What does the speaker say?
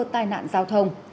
tài nạn giao thông